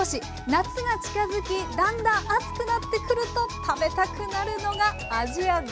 夏が近づきだんだん暑くなってくると食べたくなるのが「アジアごはん」ですよね？